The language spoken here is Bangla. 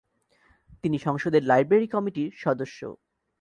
তিনি সংসদের লাইব্রেরি কমিটির সদস্য।